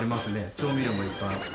調味料もいっぱいあって。